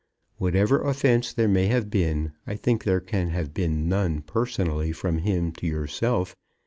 Whatever offence there may have been, I think there can have been none personally from him to yourself.